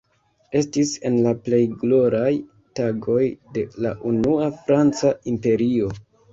Estis en la plej gloraj tagoj de la unua franca imperio.